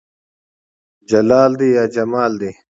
جلال دى يا جمال دى